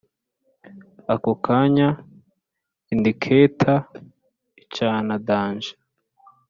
ako kanya indicater icana dange